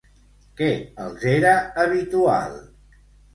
Què els era habitual?